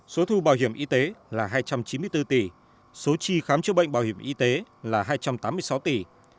số thu bảo hiểm y tế là hai trăm chín mươi bốn tỷ số tri khám chữa bệnh bảo hiểm y tế là hai trăm tám mươi sáu tỷ